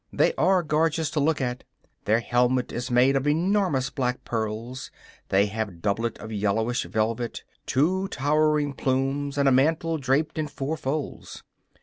They are gorgeous to look at; their helmet is made of enormous black pearls, they have doublet of yellowish velvet, two towering plumes and a mantle draped in four folds.